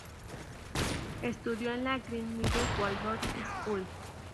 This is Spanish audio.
Estudió en la Green Meadow Waldorf School.